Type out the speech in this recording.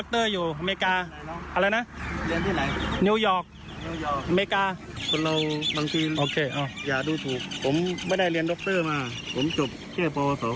โปรดติดตามต่อไป